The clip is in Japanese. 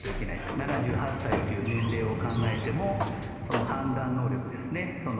７８歳という年齢を考えても判断能力ですね。